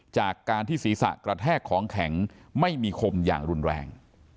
จากการที่ศีรษะกระแทกของแข็งไม่มีคมอย่างรุนแรง